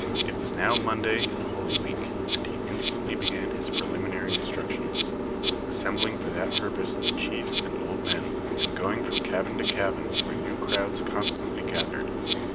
It was now Monday in holy week, and he instantly began his preliminary instructions, assembling for that purpose the chiefs and old men, and going from cabin to cabin where new crowds constantly gathered.